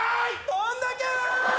どんだけー。